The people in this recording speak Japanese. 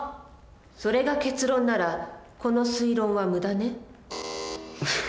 それが結論ならこの推論は無駄ね。